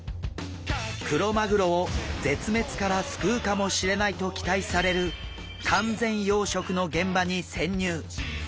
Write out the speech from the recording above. クロマグロを絶滅から救うかもしれないと期待される完全養殖の現場に潜入。